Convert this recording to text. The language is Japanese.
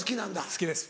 好きです。